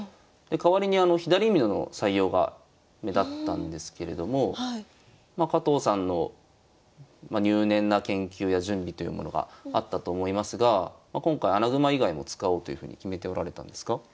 で代わりに左美濃の採用が目立ったんですけれどもまあ加藤さんの入念な研究や準備というものがあったと思いますが今回穴熊以外も使おうというふうに決めておられたんですか？